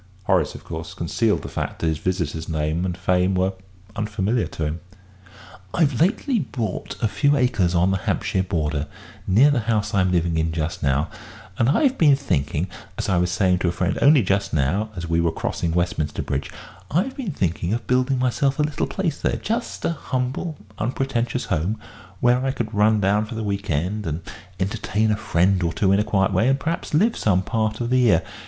Horace, of course, concealed the fact that his visitor's name and fame were unfamiliar to him. "I've lately bought a few acres on the Hampshire border, near the house I'm living in just now; and I've been thinking as I was saying to a friend only just now, as we were crossing Westminster Bridge I've been thinking of building myself a little place there, just a humble, unpretentious home, where I could run down for the weekend and entertain a friend or two in a quiet way, and perhaps live some part of the year.